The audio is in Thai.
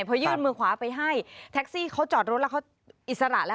พอยื่นมือขวาไปให้แท็กซี่เขาจอดรถแล้วเขาอิสระแล้ว